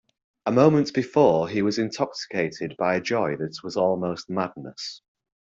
A moment before he was intoxicated by a joy that was almost madness.